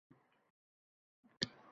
Qay manzilga shoshishar